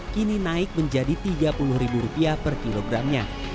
kini naik menjadi rp tiga puluh per kilogramnya